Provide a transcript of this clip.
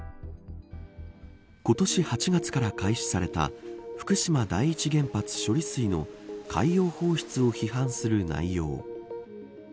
今年８月から開始された福島第一原発処理水の海洋放出を批判する内容。